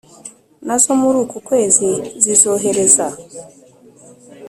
nazo muri uku kwezi zizohereza